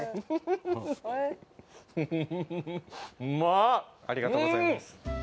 ・ありがとうございます